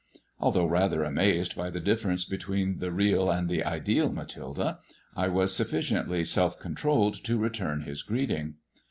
Although rather amazed ■yj the difference between the real and the ideal Mathilde, [ was sufficiently self controlled to return his greeting.